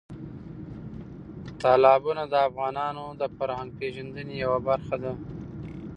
تالابونه د افغانانو د فرهنګي پیژندنې یوه برخه ده.